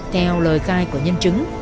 theo lời khai của nhân chứng